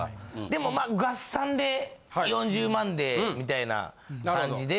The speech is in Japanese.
でもまあ合算で４０万でみたいな感じで。